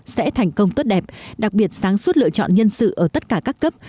sẽ thành công tốt đẹp đặc biệt sáng suốt lựa chọn nhân sự ở tất cả các cấp